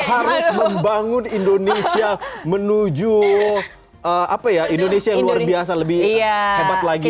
harus membangun indonesia menuju indonesia yang luar biasa lebih hebat lagi